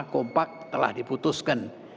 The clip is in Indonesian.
kompak telah diputuskan